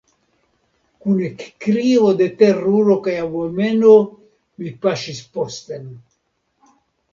Kun ekkrio de teruro kaj abomeno mi paŝis posten.